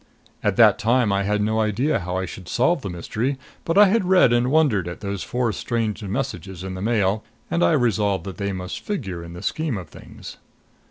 At that time I had no idea how I should solve the mystery. But I had read and wondered at those four strange messages in the Mail, and I resolved that they must figure in the scheme of things.